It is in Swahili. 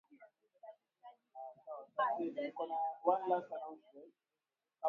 Utahitaji ungo cha kukatia viazi lishe